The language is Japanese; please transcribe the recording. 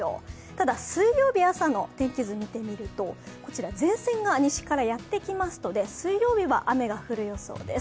ただ、水曜日朝の天気図を見てみるとこちら前線が西からやって来ますので水曜日は雨が降る予想です。